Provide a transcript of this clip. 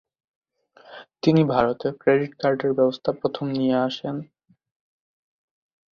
তিনি ভারতে ক্রেডিট কার্ডের ব্যবস্থা প্রথম নিয়ে আসেন।